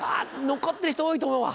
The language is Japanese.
残ってる人多いと思うわ。